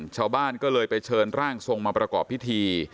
ชาวบ้านก็เลยไปเชิญร่างทรงมาประกอบพิธี